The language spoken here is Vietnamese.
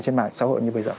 trên mạng xã hội như bây giờ